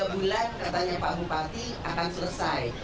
tiga bulan katanya pak mpati akan selesai